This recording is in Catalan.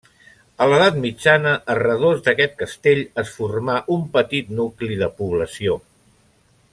A l'edat mitjana, a redós d'aquest castell es formà un petit nucli de població.